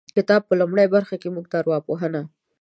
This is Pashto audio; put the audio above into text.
کتاب په لومړۍ برخه کې موږ ته ارواپوهنه